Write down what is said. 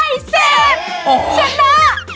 โอ้โฮชนะ